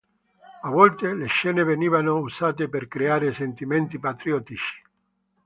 A volte le scene venivano usate per creare sentimenti patriottici.